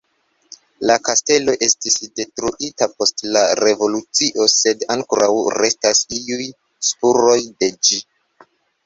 La kastelo estis detruita post la Revolucio, sed ankoraŭ restas iuj spuroj de ĝi.